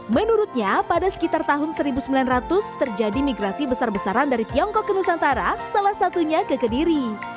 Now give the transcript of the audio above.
menurutnya pada sekitar tahun seribu sembilan ratus terjadi migrasi besar besaran dari tiongkok ke nusantara salah satunya ke kediri